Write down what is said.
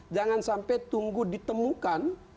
jangan sampai tunggu ditemukan